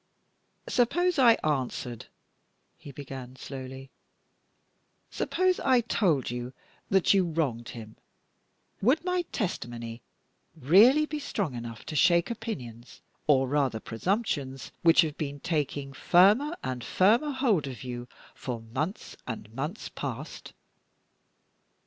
"Suppose I answered," he began, slowly; "suppose I told you that you wronged him, would my testimony really be strong enough to shake opinions, or rather presumptions, which have been taking firmer and firmer hold of you for months and months past?